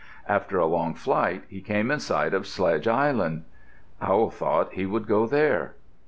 After a long flight, he came in sight of Sledge Island. Owl thought he would go there.